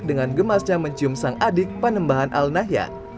dengan gemasnya mencium sang adik panembahan al nahyan